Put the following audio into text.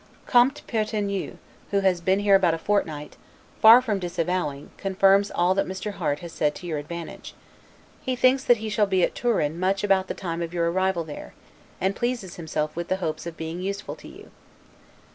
Comte Pertingue, who has been here about a fortnight, far from disavowing, confirms all that Mr. Harte has said to your advantage. He thinks that he shall be at Turin much about the time of your arrival there, and pleases himself with the hopes of being useful to you.